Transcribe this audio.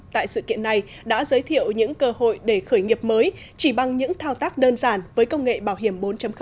tại sự kiện này đã giới thiệu những cơ hội để khởi nghiệp mới chỉ bằng những thao tác đơn giản với công nghệ bảo hiểm bốn